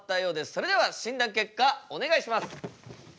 それでは診断結果お願いします。